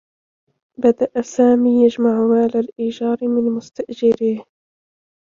بدأ سامي يجمع مال الإيجار من مستأجِريه.